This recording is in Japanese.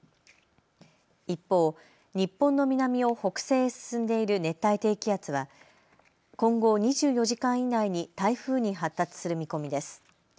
一方、日本の南を北西へ進んでいる熱帯低気圧は今後２４時間以内に台風に発達する見込みです。